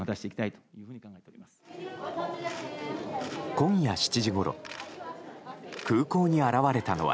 今夜７時ごろ空港に現れたのは。